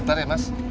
bentar ya mas